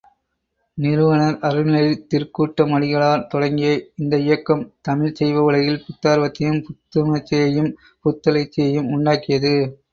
நிறுவனர் அருள்நெறித் திருக்கூட்டம் அடிகளார் தொடங்கிய இந்த இயக்கம் தமிழ்ச்சைவ உலகில் புத்தார்வத்தையும், புத்துணர்ச்சியையும், புத்தெழுச்சியையும் உண்டாக்கியது.